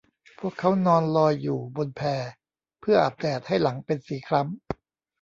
พวกเค้านอนลอยอยู่บนแพเพื่ออาบแดดให้หลังเป็นสีคล้ำ